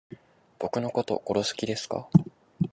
僕のこと殺す気ですか